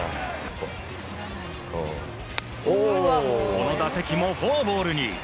この打席もフォアボールに。